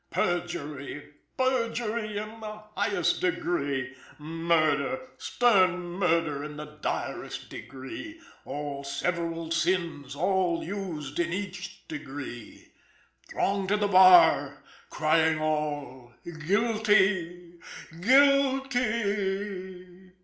Perjury, perjury in the highest degree: Murder, stern murder in the direst degree: All several sins, all used in each degree. Throng to the bar, crying all, _Guilty! guilty!